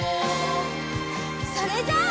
それじゃあ。